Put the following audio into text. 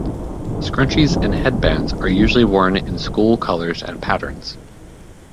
Scrunchies and headbands are usually worn in school colors and patterns.